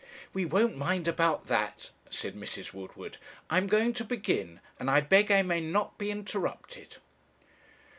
'We won't mind about that,' said Mrs. Woodward; 'I'm going to begin, and I beg I may not be interrupted.'